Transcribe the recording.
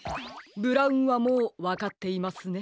ブラウンはもうわかっていますね。